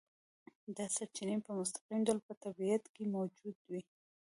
دا سرچینې په مستقیم ډول په طبیعت کې موجودې وي.